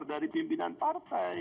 dari pimpinan partai